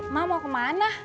mak mau kemana